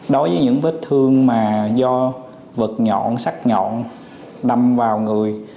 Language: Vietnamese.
đối với những vết thương mà do vật nhọn sắt nhọn đâm vào người